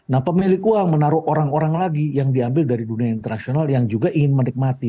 nah pemilik uang menaruh orang orang lagi yang diambil dari dunia internasional yang juga ingin menikmati